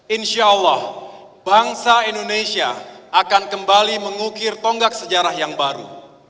insya allah bangsa indonesia akan kembali mengukir tonggak sejarah yang baru